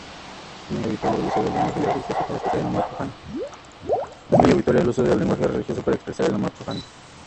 Es muy habitual el uso del lenguaje religioso para expresar el amor profano.